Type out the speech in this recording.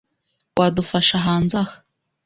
Wadufasha hanze aha?